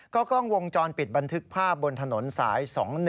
กล้องวงจรปิดบันทึกภาพบนถนนสาย๒๑